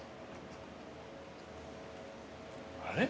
あれ？